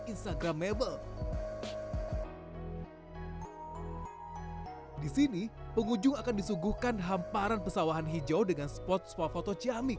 instagramable disini penghujung akan disuguhkan hamparan pesawahan hijau dengan spot swap foto